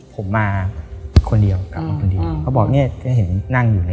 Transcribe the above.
ผมมาคนเดียวก่อนคนอื่นคั้นอักผิดว่าเห็นไว้อยู่ละ